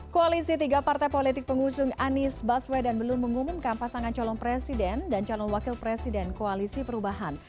koalisi tiga partai politik pengusung anies baswedan belum mengumumkan pasangan calon presiden dan calon wakil presiden koalisi perubahan